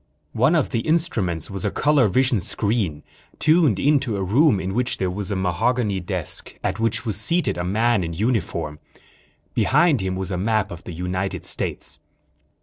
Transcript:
One of the instruments was a color vision screen, tuned in to a room in which there was a mahogany desk, at which was seated a man in uniform. Behind him was a map of the United States.